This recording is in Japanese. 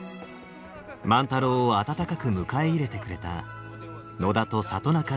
万太郎を温かく迎え入れてくれた野田と里中との出会い。